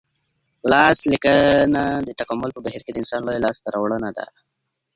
په لاس لیکلنه د تکامل په بهیر کي د انسان لویه لاسته راوړنه ده.